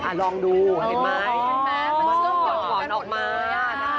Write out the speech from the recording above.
ฟังดูเห็นไหมเธอผ่อนออกมาค่ะ